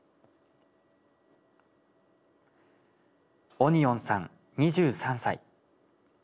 オニオンさん２３歳。